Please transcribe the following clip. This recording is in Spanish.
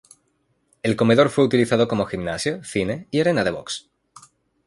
El comedor fue utilizado como gimnasio, cine y arena de box.